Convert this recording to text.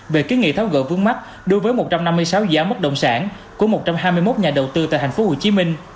về kiến nghị tháo gỡ vướng mắt đối với một trăm năm mươi sáu dự án bất động sản của một trăm hai mươi một nhà đầu tư tại tp hcm